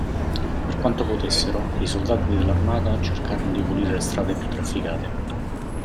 Per quanto potessero, i soldati dell'armata cercarono di pulire le strade più trafficate.